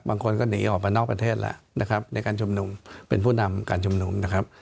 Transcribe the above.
บางคนก็หนีออกมานอกประเทศแล้วนะครับในการชุมนุมเป็นผู้นำการชุมนุมนะครับ